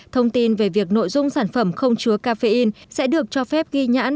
thông tin về việc nội dung sản phẩm không chứa cafein sẽ được cho phép ghi nhãn